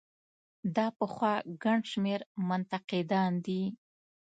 دا پخوا ګڼ شمېر منتقدان دي.